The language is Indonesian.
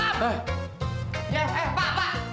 eh pak pak